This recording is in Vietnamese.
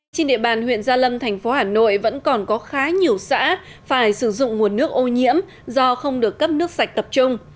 trên địa bàn huyện gia lâm thành phố hà nội vẫn còn có khá nhiều xã phải sử dụng nguồn nước ô nhiễm do không được cấp nước sạch tập trung